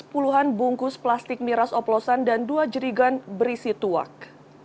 puluhan bungkus plastik miras oplosan dan dua jerigan berisi tuak